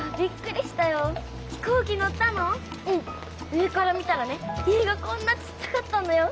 上から見たらね家がこんなちっちゃかったんだよ。